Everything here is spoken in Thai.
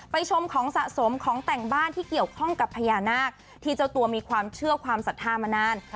ชมของสะสมของแต่งบ้านที่เกี่ยวข้องกับพญานาคที่เจ้าตัวมีความเชื่อความศรัทธามานาน